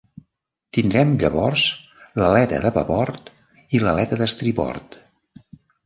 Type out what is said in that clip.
Tindrem llavors l'aleta de babord i l'aleta d'estribord.